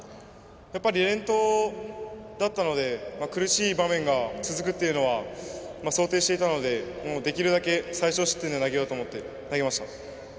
連投だったので苦しい場面が続くというのは想定していたのでできるだけ最少失点で投げようと思って、投げました。